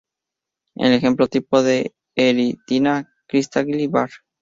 El ejemplar tipo de "Erythrina crista-galli" var.